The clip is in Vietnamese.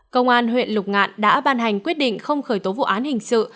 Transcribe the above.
công an huyện lục ngạn đã ban hành quyết định không khởi tố vụ án hình sự